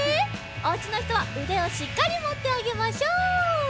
おうちのひとはうでをしっかりもってあげましょう。